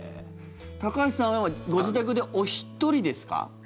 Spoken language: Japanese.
高橋さんはご自宅でお一人ですか？